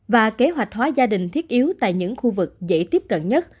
và kế hoạch hóa gia đình thiết yếu tại những khu vực dễ tiếp cận nhất